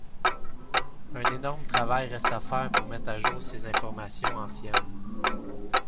Un énorme travail reste à faire pour mettre à jour ces informations anciennes.